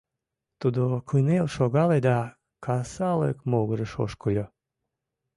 Тудо кынел шогале да касалык могырыш ошкыльо.